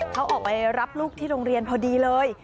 เขาออกไปรับลูกที่โรงเรียนพอดีเลย